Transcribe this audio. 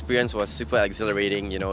pengalaman di track sangat menggoda